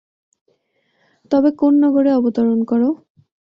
তবে কোন নগরে অবতরণ কর।